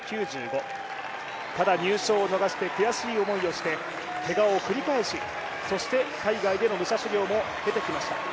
ただ入賞を逃して悔しい思いをしてけがを繰り返し、そして海外での武者修行も経てきました。